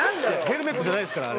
ヘルメットじゃないですから。